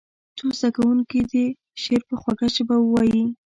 څو زده کوونکي دې شعر په خوږه ژبه ووایي.